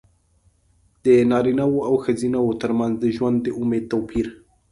د نارینه وو او ښځینه وو ترمنځ د ژوند د امید توپیر.